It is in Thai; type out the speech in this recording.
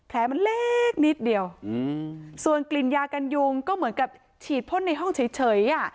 แผลมันเล็กนิดเดียวส่วนกลิ่นยากันยุงก็เหมือนกับฉีดพ่นในห้องเฉยอ่ะ